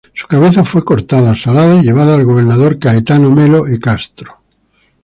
Su cabeza fue cortada, salada y llevada, al gobernador Caetano Melo e Castro.